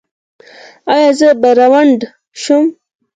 ایا زه به ړوند شم؟